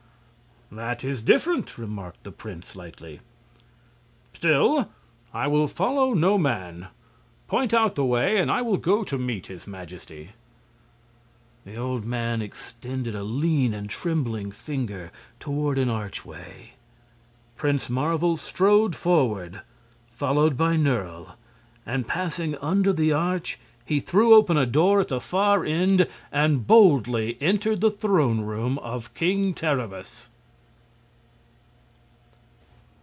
"That is different," remarked the prince, lightly. "Still, I will follow no man. Point out the way and I will go to meet his Majesty." The old man extended a lean and trembling finger toward an archway. Prince Marvel strode forward, followed by Nerle, and passing under the arch he threw open a door at the far end and boldly entered the throne room of King Terribus.